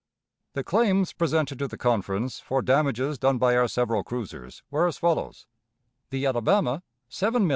The claims presented to the Conference for damages done by our several cruisers were as follows: The Alabama, $7,050,293.